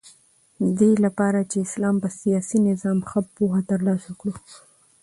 ددې لپاره چی د اسلام په سیاسی نظام ښه پوهه تر لاسه کړو